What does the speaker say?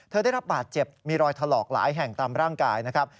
ได้รับบาดเจ็บมีรอยถลอกหลายแห่งตามร่างกายนะครับ